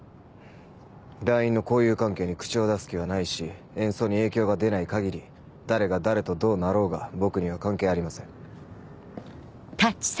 団員の交友関係に口を出す気はないし演奏に影響が出ない限り誰が誰とどうなろうが僕には関係ありません。